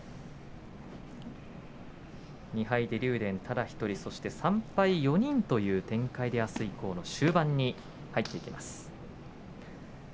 ２敗で竜電がただ１人そして３敗に４人という展開であす以降の終盤に入っていきます。